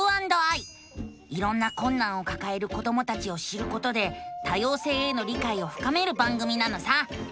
いろんなこんなんをかかえる子どもたちを知ることで多様性への理解をふかめる番組なのさ！